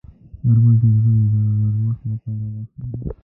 غرمه د زړونو د نرمښت لپاره وخت دی